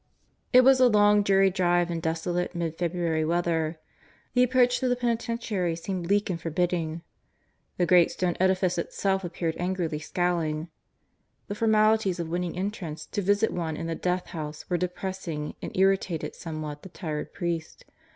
It was a long, dreary drive in desolate mid February weather. The approach to the penitentiary seemed bleak and forbidding. The great stone edifice itself appeared angrily scowling. The formalities of winning entrance to visit one in the Death House were depressing and irritated somewhat the tired priest.